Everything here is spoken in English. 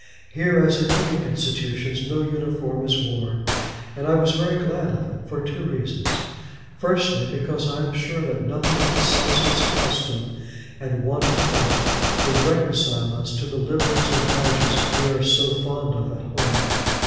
Here, as in many institutions, no uniform is worn; and I was very glad of it, for two reasons. Firstly, because I am sure that nothing but senseless custom and want of thought would reconcile us to the liveries and badges we are so fond of at home.